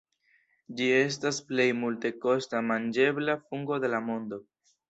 Ĝi estas plej multekosta manĝebla fungo de la mondo.